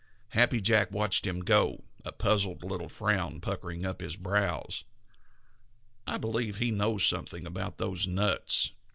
Happy Jack watched him go, a puzzled little frown puckering up his brows. "I believe he knows something about those nuts.